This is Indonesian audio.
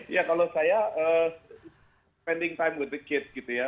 iya kalau saya spending time with the kids gitu ya